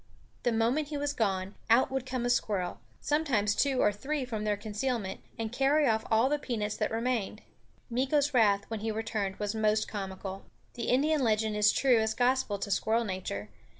The moment he was gone, out would come a squirrel sometimes two or three from their concealment and carry off all the peanuts that remained. Meeko's wrath when he returned was most comical. The Indian legend is true as gospel to squirrel nature.